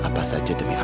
apa saja demi amira